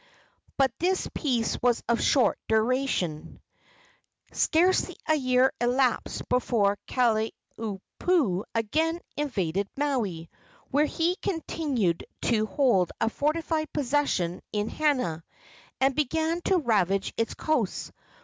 But this peace was of short duration. Scarcely a year elapsed before Kalaniopuu again invaded Maui, where he continued to hold a fortified possession in Hana, and began to ravage its coasts.